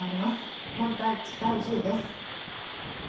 まず第１０位です。